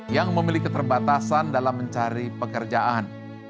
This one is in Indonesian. yang memiliki keterbatasan dalam mencari pekerjaan